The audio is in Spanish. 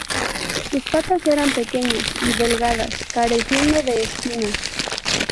Sus patas eran pequeñas y delgadas, careciendo de espinas.